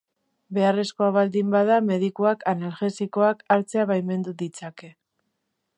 Beharrezkoa baldin bada medikuak analgesikoak hartzea baimendu ditzake.